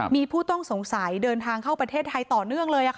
มีผู้ต้องสงสัยเดินทางเข้าประเทศไทยต่อเนื่องเลย